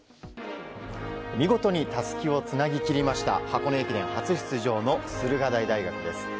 見事にたすきをつなぎ切りました箱根駅伝初出場の駿河台大学です。